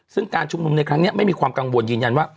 ซึ่งการชุมนุมในครั้งนี้ไม่มีความกังวลยืนยันว่า